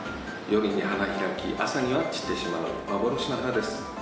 夜に花開き朝には散ってしまう幻の花です。